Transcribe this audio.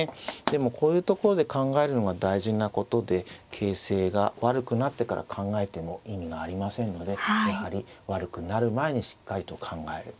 でもこういうところで考えるのが大事なことで形勢が悪くなってから考えても意味がありませんのでやはり悪くなる前にしっかりと考える。